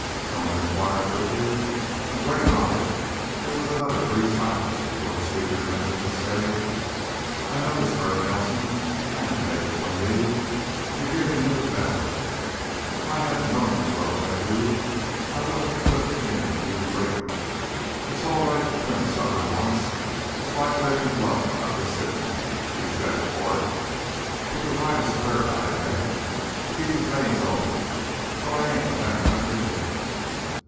Stoner inquired, quickly. When Gray nodded, there was another brief silence before the speaker ventured to say: "I know this bird Nelson, and, take it from me, you're giving him the best of it. If I hadn't known him as well as I do, I wouldn't of put in with you to break him. It's all right to trim a sucker once; it's like letting the blood of a sick man he's better for it. But to ride a square guy to death, to keep his veins open well, I ain't in that kind of business.